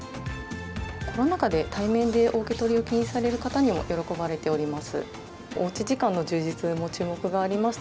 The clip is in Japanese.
コロナ禍で対面でお受け取りを気にされる方にも喜ばれております。